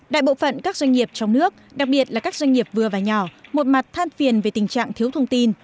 đại bộ phận các doanh nghiệp trong nước đặc biệt là các doanh nghiệp vừa và nhỏ một mặt than phiền về tình trạng thiếu thông tin